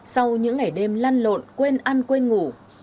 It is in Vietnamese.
sau những ngày đêm lan lộn quên ăn quên ngủ